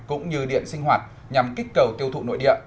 cũng như điện sinh hoạt nhằm kích cầu tiêu thụ nội địa